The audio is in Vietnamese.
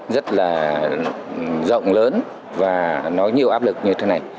rất là rộng lớn và nói nhiều áp lực như thế này